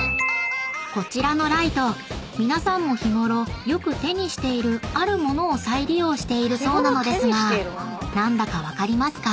［こちらのライト皆さんも日ごろよく手にしているある物を再利用しているそうなのですが何だか分かりますか？］